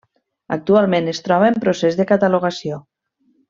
Actualment es troba en procés de catalogació.